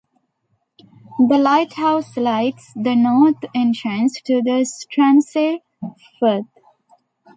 The lighthouse lights the north entrance to the Stronsay Firth.